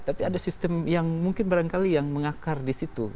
tapi ada sistem yang mungkin barangkali yang mengakar di situ